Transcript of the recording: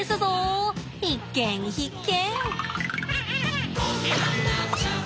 必見必見！